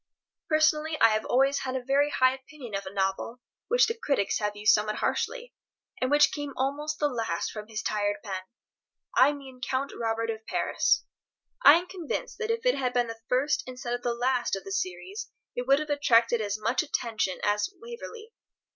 Personally, I have always had a very high opinion of a novel which the critics have used somewhat harshly, and which came almost the last from his tired pen. I mean "Count Robert of Paris." I am convinced that if it had been the first, instead of the last, of the series it would have attracted as much attention as "Waverley."